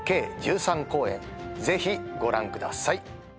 ぜひご覧ください。